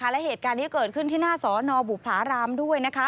และเหตุการณ์นี้เกิดขึ้นที่หน้าสอนอบุภารามด้วย